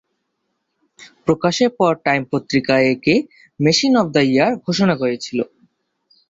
প্রকাশের পর টাইম পত্রিকা একে "মেশিন অফ দ্য ইয়ার" ঘোষণা করেছিল।